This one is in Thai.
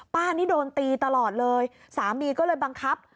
นี่โดนตีตลอดเลยสามีก็เลยบังคับ